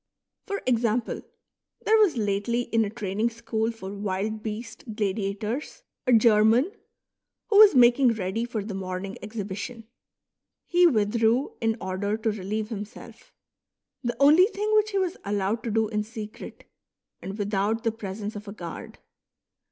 For example, there was lately in a training school for wild beast gladiators a German, who was making ready for the morning exhibition ; he withdrew in order to relieve himself, — the only thing which he was allowed to do in secret and without the presence of a guard.